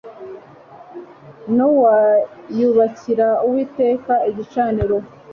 nowa yubakira uwiteka igicaniro